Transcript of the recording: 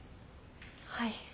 はい。